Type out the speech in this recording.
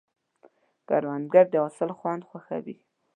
کروندګر د حاصل خوند خوښوي